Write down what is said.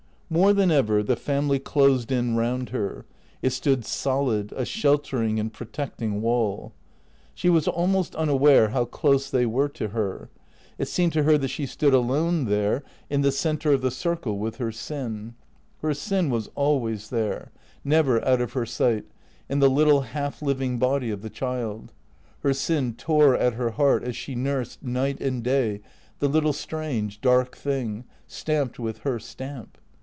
More than ever the family closed in round her ; it stood solid, a sheltering and protecting wall. She was almost unaware how close they were to her. It seemed to her that she stood alone there, in the centre of the circle, with her sin. Her sin was always there, never out of her 403 404 T H E C R E A T 0 R S sight, in the little half living body of the child. Her sin tore at her lieart as she nursed, night and day, the little strange, dark thing, stamped with her stamp.